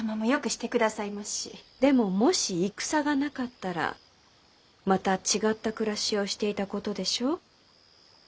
でももし戦がなかったらまた違った暮らしをしていたことでしょう？